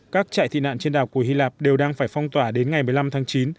các trại tị nạn trên đảo của hy lạp đều đang phải phong tỏa đến ngày một mươi năm tháng chín